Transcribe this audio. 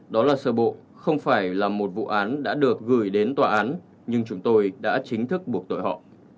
đó là sơ bộ không phải là một vụ án đã được gửi đến tòa án nhưng chúng tôi đã chính thức buộc tội họ